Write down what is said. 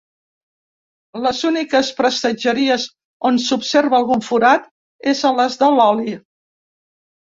Les úniques prestatgeries on s’observa algun forat és a les de l’oli.